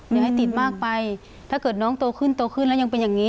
อย่าให้ติดมากไปถ้าเกิดน้องโตขึ้นโตขึ้นแล้วยังเป็นอย่างนี้